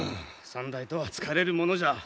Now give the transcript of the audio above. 参内とは疲れるものじゃ。